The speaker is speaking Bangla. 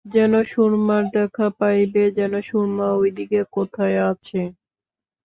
যেন সুরমার দেখা পাইবে, যেন সুরমা ওইদিকে কোথায় আছে!